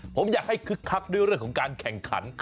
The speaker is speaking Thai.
ผมอยากให้คึกคักด้วยเรื่องของการแข่งขัน